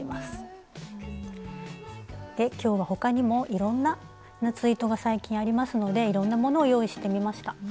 今日は他にもいろんな夏糸が最近ありますのでいろんなものを用意してみました。